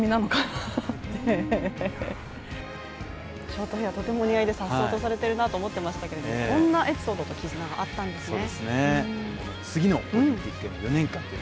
ショートへア、とてもお似合いでさっそうとされてるなと思いましたがこんなエピソードと絆があったんですね。